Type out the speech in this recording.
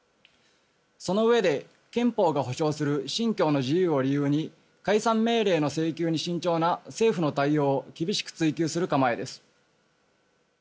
そのうえで憲法が保障する信教の自由を理由に解散命令の請求に慎重な政府の姿勢を厳しく追及する構えです。